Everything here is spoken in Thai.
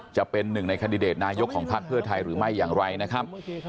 จะเป็นหนึ่งในคันดิเดตนายกของพักเพื่อไทยหรือไม่อย่างไรนะครับ